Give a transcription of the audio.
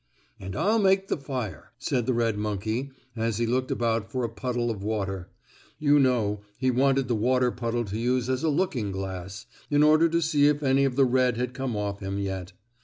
"And I'll make the fire," said the red monkey as he looked about for a puddle of water. You know, he wanted the water puddle to use as a looking glass, in order to see if any of the red had come off him yet.